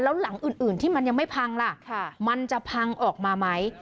แล้วหลังอื่นที่มันยังไม่พังล่ะมันจะพังออกมาไหม